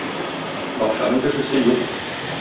Бакчаның кешесе юк.